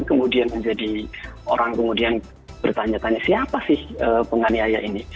kemudian menjadi orang kemudian bertanya tanya siapa sih penganiaya ini